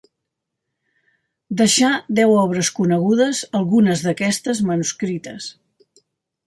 Deixà deu obres conegudes, algunes d'aquestes manuscrites.